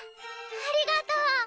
ありがとう！